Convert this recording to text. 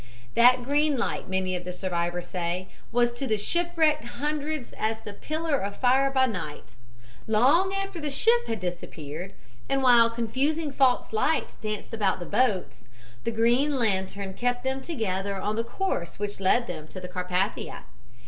"That green light, many of the survivors say, was to the shipwrecked hundreds as the pillar of fire by night. Long after the ship had disappeared, and while confusing false lights danced about the boats, the green lantern kept them together on the course which led them to the Carpathia.